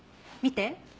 見て。